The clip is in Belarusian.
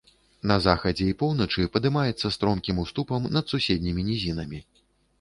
На захадзе і поўначы падымаецца стромкім уступам над суседнімі нізінамі.